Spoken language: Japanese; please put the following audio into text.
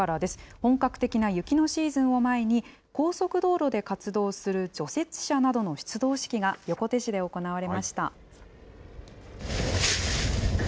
本格的な雪のシーズンを前に、高速道路で活動する除雪車などの出動式が横手市で行われました。